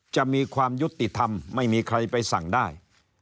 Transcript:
จะมีความยุติธรรมไม่มีใครไปสั่งได้